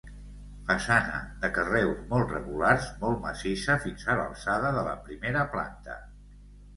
Façana de carreus molt regulars, molt massissa fins a l'alçada de la primera planta.